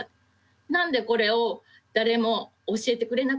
何でこれを誰も教えてくれなかったのかなって。